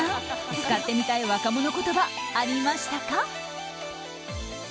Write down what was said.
使ってみたい若者言葉ありましたか？